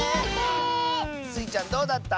スイちゃんどうだった？